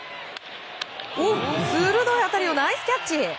鋭い当たりをナイスキャッチ！